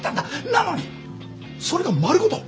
なのにそれが丸ごと。